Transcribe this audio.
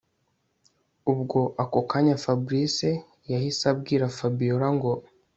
Ubwo ako kanya Fabric yahise abwira Fabiora ngo